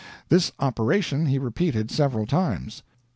This operation he repeated several times.